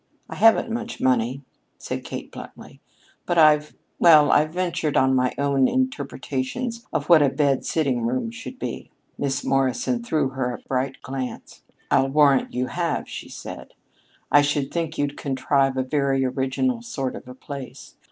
"I haven't much money," said Kate bluntly; "but I've well, I've ventured on my own interpretations of what a bed sitting room should be." Miss Morrison threw her a bright glance. "I'll warrant you have," she said. "I should think you'd contrive a very original sort of a place.